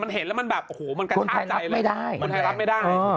มันเห็นแล้วมันแบบโอ้โหมันการอ้าจัยมันไถรับไม่ได้